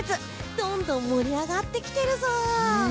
どんどん盛り上がってきてるぞ！